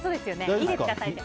いいですか、最初。